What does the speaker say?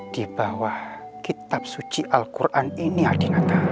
di bawah kitab suci al quran ini adinata